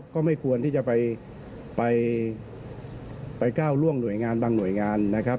ก็ไม่ควรที่จะไปก้าวล่วงหน่วยงานบางหน่วยงานนะครับ